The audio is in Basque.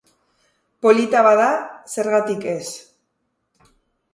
Polita bada, zergatik ez?